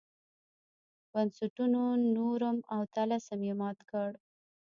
بنسټونو نورم او طلسم یې مات کړ.